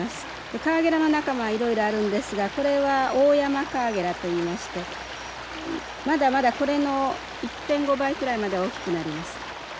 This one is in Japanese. カワゲラの仲間はいろいろあるんですがこれはオオヤマカワゲラといいましてまだまだこれの１．５倍くらいまで大きくなります。